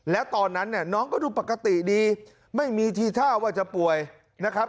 แล้วตอนนั้นเนี่ยน้องก็ดูปกติดีไม่มีทีท่าว่าจะป่วยนะครับ